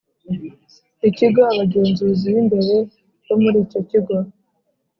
ikigo abagenzuzi b imbere bo muri icyo kigo